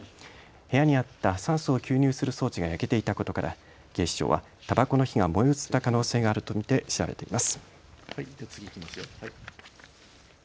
部屋にあった酸素を吸入する装置が焼けていたことから警視庁はたばこの火が燃え移った可能性があると見て調べています。